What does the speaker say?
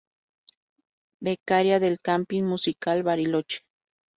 Becaria del Camping Musical Bariloche.